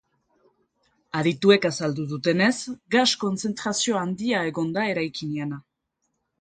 Adituek azaldu dutenez, gas kontzentrazio handia egon da eraikinean.